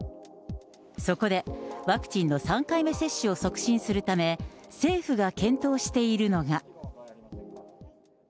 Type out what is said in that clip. そこで、ワクチンの３回目接種を促進するため、政府が検討しているのが。